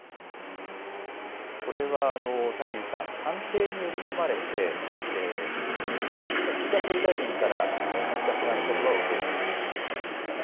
これは田尻さん、官邸に呼び込まれてやっぱり岸田総理大臣から何かしらのことばを受けるということになるんですかね。